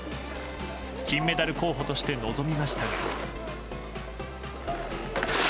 金メダル候補として臨みましたが。